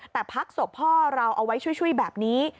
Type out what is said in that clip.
แต่พักศพพ่อเราเอาไว้ช่วยแบบนี้